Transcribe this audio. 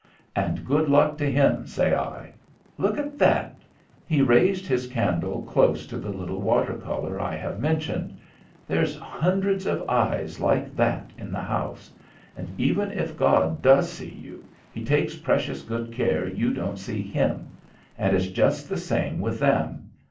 And good luck to him, say I. Look at that." He raised his candle close to the little water colour I have mentioned. "There's hundreds of eyes like that in the house; and even if God does see you, he takes precious good care you don't see Him. And it's just the same with them.